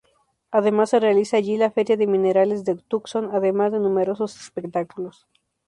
Además se realiza allí la Feria de minerales de Tucson, además de numerosos espectáculos.